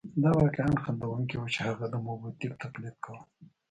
دا واقعاً خندوونکې وه چې هغه د موبوتیک تقلید کاوه.